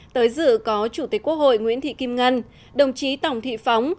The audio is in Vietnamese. tới dự có chủ tịch quốc hội nguyễn thị kim ngân đồng chí tổng thị phóng